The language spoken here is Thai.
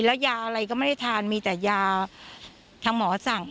แล้วยาอะไรก็ไม่ได้ทานมีแต่ยาทางหมอสั่ง